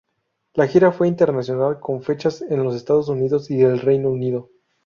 La gira fue internacional con fechas en los Estados Unidos y el Reino Unido.